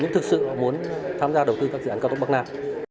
nhưng thực sự họ muốn tham gia đầu tư các dự án cao tốc bắc nào